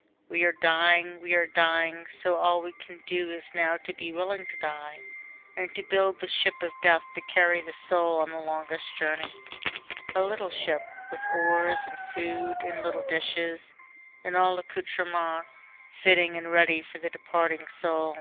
VII We are dying, we are dying, so all we can do is now to be willing to die, and to build the ship of death to carry the soul on the longest journey. A little ship, with oars and food and little dishes, and all accoutrements fitting and ready for the departing soul.